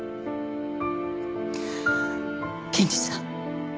検事さん